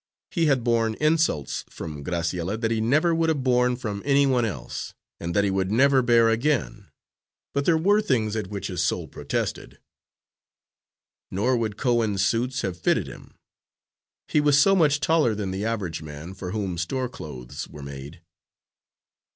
He had borne insults from Graciella that he never would have borne from any one else, and that he would never bear again; but there were things at which his soul protested. Nor would Cohen's suits have fitted him. He was so much taller than the average man for whom store clothes were made.